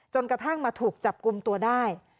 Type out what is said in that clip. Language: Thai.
กระทั่งมาถูกจับกลุ่มตัวได้